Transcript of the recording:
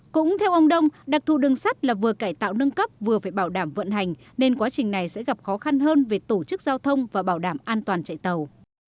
cũng theo ông đông đặc thù đường sắt là vừa cải tạo nâng cấp vừa phải bảo đảm vận hành nên quá trình này sẽ gặp khó khăn hơn về tổ chức giao thông và bảo đảm an toàn chạy tàu